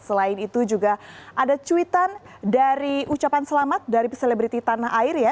selain itu juga ada cuitan dari ucapan selamat dari selebriti tanah air ya